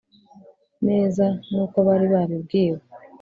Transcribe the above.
neza n uko bari babibwiwe